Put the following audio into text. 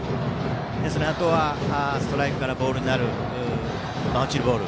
あとストライクからボールになるボール